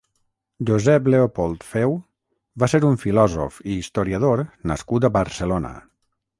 Josep Leopold Feu va ser un filòsof i historiador nascut a Barcelona.